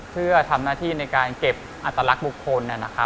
เพื่อทำหน้าที่ในการเก็บอัตลักษณ์บุคคล